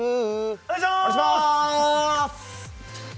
お願いしゃーす！